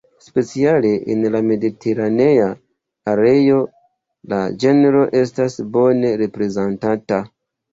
Speciale en la mediteranea areo la genro estas bone reprezentata.